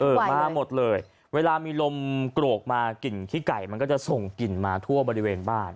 มาหมดเลยเวลามีลมโกรกมากลิ่นขี้ไก่มันก็จะส่งกลิ่นมาทั่วบริเวณบ้าน